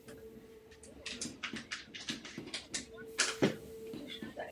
Všechny byly již vyřazeny.